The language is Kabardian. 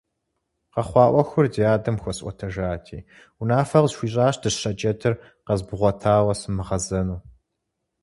Къэхъуа Ӏуэхур ди адэм хуэсӀуэтэжати, унафэ къысхуищӀащ дыщэ джэдыр къэзмыгъуэтауэ сымыгъэзэну.